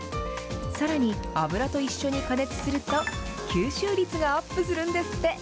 さらに油と一緒に加熱すると、吸収率がアップするんですって。